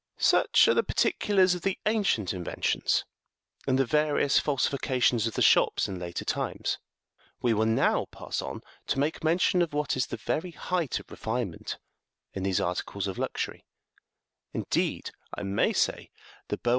Such are the particulars of the ancient inventions, and the various falsifications of the shops in later times ; we will now pass on to make mention of what is the very height of refine ment in these articles of luxury, indeed, I may say, the beau ideal72 of them all.